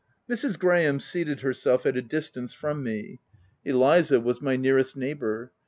Mrs. Graham seated herself at a distance from me. Eliza was my nearest neighbour.